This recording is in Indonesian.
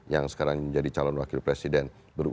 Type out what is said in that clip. yang sekarang menjadi calon wakil presiden